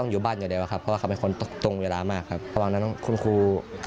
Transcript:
เขาอยู่บ้านเดี๋ยวเดี๋ยวเขาคนตกตรงเวลามากครับแล้วป่าวจ๊ะของคุณคู๊